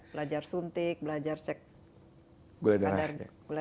belajar suntik belajar cek gula darah